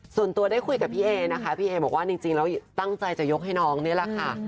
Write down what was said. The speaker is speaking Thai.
ส่วนตัวได้คุยกับพี่เอนะคะพี่เอบอกว่าจริงแล้วตั้งใจจะยกให้น้องนี่แหละค่ะ